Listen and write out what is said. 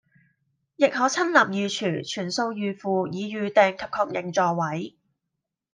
亦可親臨尚廚全數預付以預訂及確認座位